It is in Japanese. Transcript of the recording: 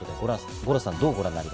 五郎さん。